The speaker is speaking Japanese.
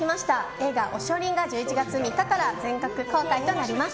映画「おしょりん」が１１月３日から全国公開となります。